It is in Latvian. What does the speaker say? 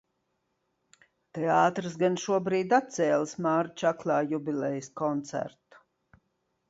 Teātris gan šobrīd atcēlis Māra Čaklā jubilejas koncertu.